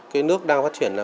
cái nước đang phát triển là